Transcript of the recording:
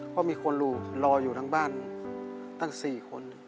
เพราะมีคนรออยู่ทั้งบ้านตั้ง๔คน